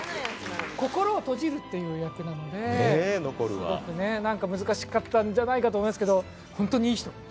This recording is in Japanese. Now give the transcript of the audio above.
心を閉じるっていう役なんで難しかったんじゃないかなと思うんですけど、本当にいい人。